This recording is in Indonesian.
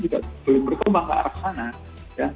belum berkembang ke arah sana